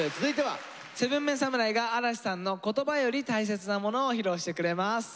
７ＭＥＮ侍が嵐さんの「言葉より大切なもの」を披露してくれます。